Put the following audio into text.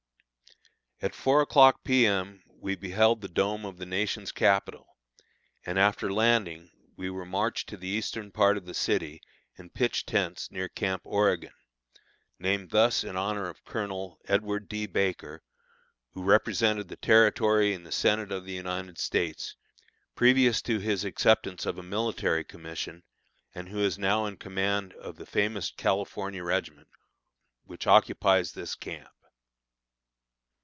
At 4 o'clock P. M. we beheld the dome of the nation's capitol, and, after landing, we were marched to the eastern part of the city, and pitched tents near Camp Oregon named thus in honor of Colonel Edward D. Baker, who represented that Territory in the Senate of the United States, previous to his acceptance of a military commission, and who is now in command of the famous California regiment which occupies this camp.